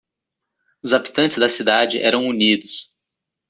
Os habitantes da cidade eram unidos.